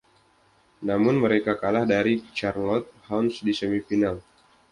Namun, mereka kalah dari Charlotte Hounds di semifinal.